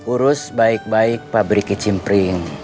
urus baik baik pabrik kicimprit